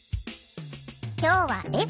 今日は笑